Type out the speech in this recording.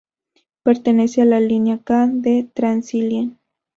Pertenece a la línea K del Transilien.